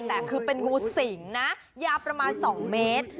แต่คือเป็นงูสิงนะยาวประมาณ๒เมตร